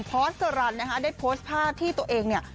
พอสรันนะคะได้โพสต์ภาพที่ตัวเองเนี่ย